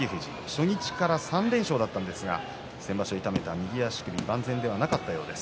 初日から３連勝だったんですが先場所、痛めた右足首、万全ではなかったようです。